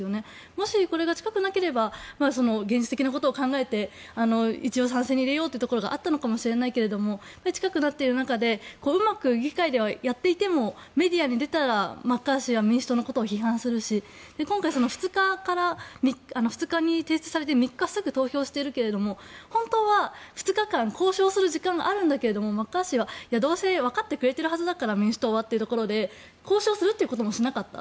もし、これが近くなければ現実的なことを考えて一応賛成に入れようということがあったのかもしれないけど近くなっている中でうまく議会ではやっていてもメディアに出たらマッカーシーは民主党のことを批判するし今回２日に提出されて３日にすぐに投票しているけれど本当は２日間交渉する時間があるんだけどマッカーシーはどうせわかってくれているはずだから民主党はというところで交渉するということもしなかった。